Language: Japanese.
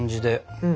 うん。